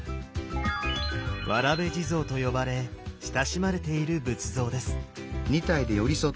わらべ地蔵と呼ばれ親しまれている仏像です。